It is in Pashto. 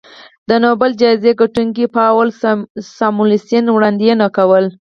د نوبل جایزې ګټونکي پاول ساموېلسن وړاندوینه کوله